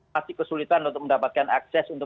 masih kesulitan untuk mendapatkan akses untuk